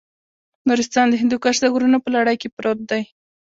نورستان د هندوکش د غرونو په لړۍ کې پروت دی.